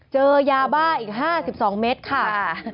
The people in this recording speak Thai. เจอยาบ้าอีก๕๒เมตรค่ะ